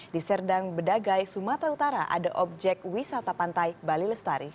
di serdang bedagai sumatera utara ada objek wisata pantai bali lestari